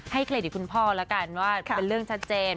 เครดิตคุณพ่อแล้วกันว่าเป็นเรื่องชัดเจน